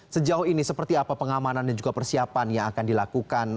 sejauh ini seperti apa pengamanan dan juga persiapan yang akan dilakukan